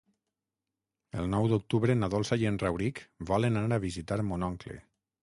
El nou d'octubre na Dolça i en Rauric volen anar a visitar mon oncle.